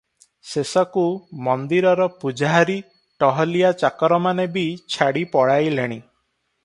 ଶେଷକୁ ମନ୍ଦିରର ପୂଜାହାରୀ ଟହଲିଆ ଚାକରମାନେ ବି ଛାଡ଼ି ପଳାଇଲେଣି ।